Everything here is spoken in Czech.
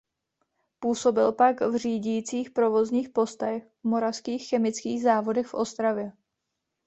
Působil pak na řídících provozních postech v Moravských chemických závodech v Ostravě.